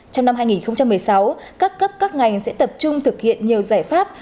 trong năm hai nghìn một mươi sáu các cấp các ngành sẽ tập trung thực hiện nhiều giải pháp